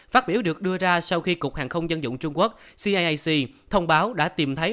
phát biểu được đưa ra sau khi cục hàng không dân dụng trung quốc cac thông báo đã tìm thấy